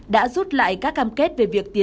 đã rút lại các cam kết về việc tăng trưởng